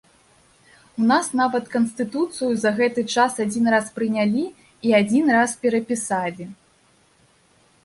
У нас нават канстытуцыю за гэты час адзін раз прынялі і адзін раз перапісалі.